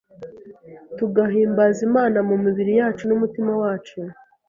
tugahimbaza Imana mu mibiri yacu n’umutima wacu,